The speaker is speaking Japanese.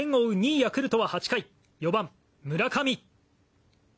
２位ヤクルトは８回４番、村上。